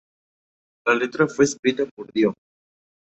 La letra fue escrita por Dio.